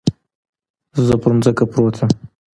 زه پر ځمکه پروت يم.